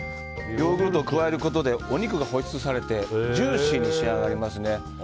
ヨーグルトを加えることでお肉が保湿されてジューシーに仕上がります。